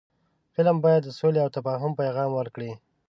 فلم باید د سولې او تفاهم پیغام ورکړي